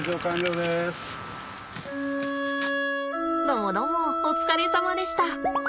どもどもお疲れさまでした。